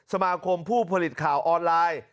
สมาคมผู้ผลิตข่าวออนไลน์